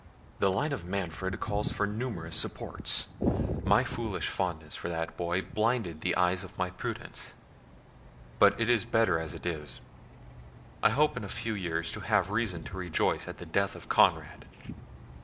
The line of Manfred calls for numerous supports. My foolish fondness for that boy blinded the eyes of my prudence—but it is better as it is. I hope, in a few years, to have reason to rejoice at the death of Conrad."